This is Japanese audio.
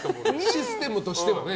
システムとしてはね。